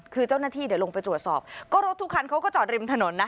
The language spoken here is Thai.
คือเจ้าหน้าที่เดี๋ยวลงไปตรวจสอบก็รถทุกคันเขาก็จอดริมถนนนะ